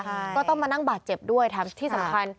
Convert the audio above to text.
ก็ต้องมานั่งบาดเจ็บด้วยแถมที่สำคัญ